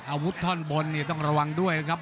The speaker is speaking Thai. อาวุธท่อนบนต้องระวังด้วยครับ